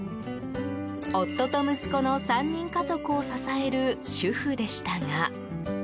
夫と息子の３人家族を支える主婦でしたが。